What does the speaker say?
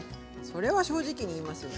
それは正直に言いますよ。